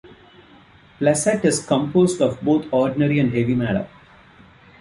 Placet is composed of both ordinary and heavy matter.